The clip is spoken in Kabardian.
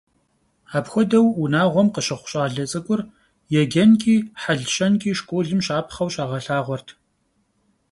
Апхуэдэ унагъуэм къыщыхъу щӀалэ цӀыкӀур еджэнкӀи хьэлщэнкӀи школым щапхъэу щагъэлъагъуэрт.